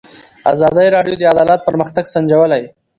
ازادي راډیو د عدالت پرمختګ سنجولی.